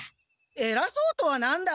えらそうとは何だ！